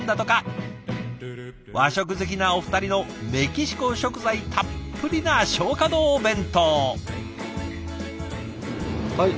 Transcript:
和食好きなお二人のメキシコ食材たっぷりな松花堂弁当。